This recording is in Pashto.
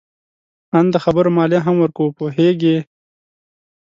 آن د خبرو مالیه هم ورکوو. پوهیږې؟